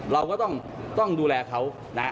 เราก็ต้องดูแลเขานะฮะ